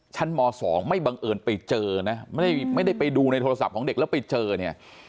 ม๒ไม่บังเอิญไปเจอนะไม่ได้ไปดูในโทรศัพท์ของเด็กแล้วไปเจอเนี่ย